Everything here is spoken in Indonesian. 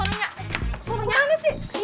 eh lo gausah sih nath